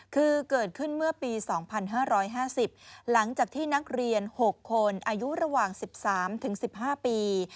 คือเกิดขึ้นเมื่อปี๒๕๕๐หลังจากที่นักเรียน๖คนอายุระหว่าง๑๓๑๕ปี